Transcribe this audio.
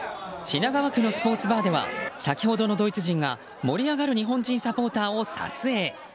品川区のスポーツバーでは先ほどのドイツ人が盛り上がる日本人サポーターを撮影。